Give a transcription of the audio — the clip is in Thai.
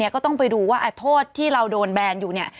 ขอบคุณมากเลย